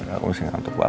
aku mesti ngantuk banget